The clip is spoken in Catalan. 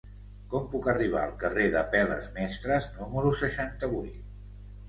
Com puc arribar al carrer d'Apel·les Mestres número seixanta-vuit?